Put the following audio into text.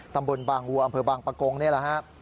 ตำบลบางวัวอำเภอบางปะกงนี่แหละครับ